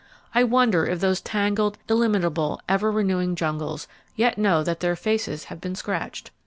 I wonder if those tangled, illimitable, ever renewing jungles yet know that their faces have been scratched.